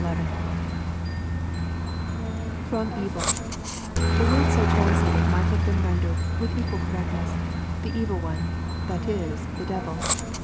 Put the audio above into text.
[ FV OW evil] The words so translated might have been ren dered, with equal correctness, " the evil one," that is, " the devil."